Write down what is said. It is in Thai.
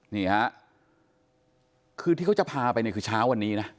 นี่ฮะคือที่เขาจะพาไปเนี่ยคือเช้าวันนี้นะ